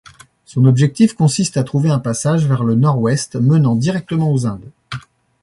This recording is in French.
Son objectif consiste à trouver un passage vers le nord-ouest menant directement aux Indes.